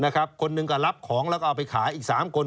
คนหนึ่งก็รับของแล้วก็เอาไปขายอีก๓คน